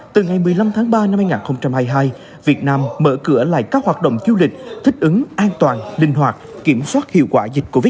từ ngày một mươi năm tháng ba năm hai nghìn hai mươi hai việt nam mở cửa lại các hoạt động du lịch thích ứng an toàn linh hoạt kiểm soát hiệu quả dịch covid một mươi chín